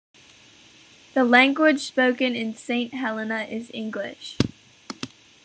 The language spoken in Saint Helena is English.